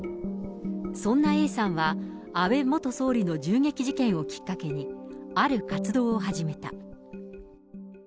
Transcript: そんなＡさんは、安倍元総理の銃撃事件をきっかけに、ある活動を始めた。